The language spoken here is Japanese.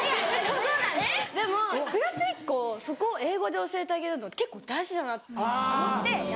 でもプラス１個そこを英語で教えてあげるの結構大事だなと思ってやってます。